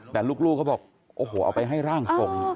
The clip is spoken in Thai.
แต่ลูกเขาบอกโอ้โหเอาไปให้ร่างทรง